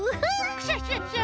クシャシャシャ！